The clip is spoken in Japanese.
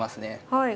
はい。